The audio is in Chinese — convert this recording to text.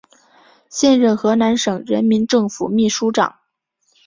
现任河南省人民政府秘书长。